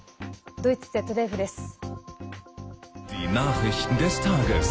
ドイツＺＤＦです。